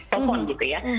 telepon gitu ya